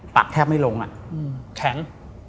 ปากแค่ไม่ลงอะแข็ง